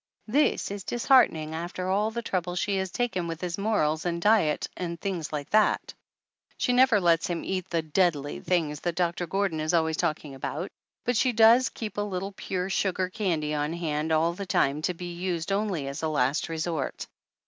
This is disheartening after all the trouble she has taken with his morals and diet and things like that ! She never lets him eat the "deadly" things that Doctor Gordon is always talking about, but she does keep a little pure sugar candy on hand all the time to be used only as a last resort.